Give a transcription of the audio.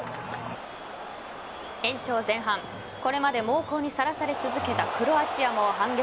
延長前半、これまで猛攻にさらされ続けたクロアチアも反撃。